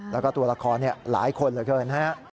แล้วก็ตัวละครหลายคนเหลือเกินฮะ